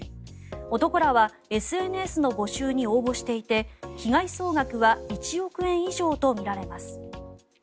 男らはＳＮＳの募集に応募していて被害総額は１億円以上とみられます。